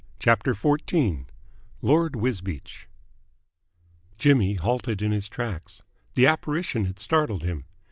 CHAPTER XIV LORD WISBEACH Jimmy halted in his tracks. The apparition had startled him.